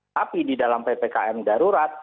tapi di dalam ppkm darurat